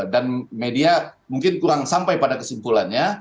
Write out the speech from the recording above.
dan media mungkin kurang sampai pada kesimpulannya